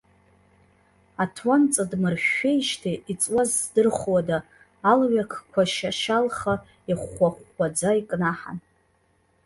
Аҭуан ҵыдмыршәшәеижьҭеи иҵуаз здырхуада, алҩаққәа шьашьалха, ихәхәа-хәхәаӡа икнаҳан.